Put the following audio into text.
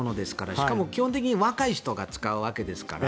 しかも基本的に若い人が使うわけですから。